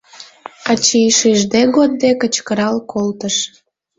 Ачий шижде-годде кычкырал колтыш.